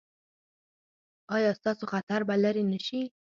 ایا ستاسو خطر به لرې نه شي؟